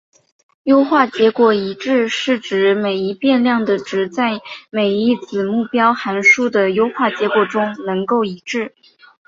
优化结果一致是指使每一变量的值在每一子目标函数的优化结果中能够一致。